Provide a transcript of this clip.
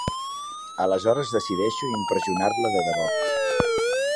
Aleshores decideixo impressionar-la de debò.